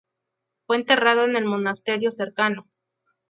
Fue enterrado en el monasterio cercano.